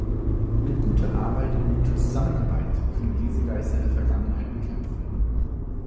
Mit guter Arbeit und guter Zusammenarbeit können wir diese Geister der Vergangenheit bekämpfen.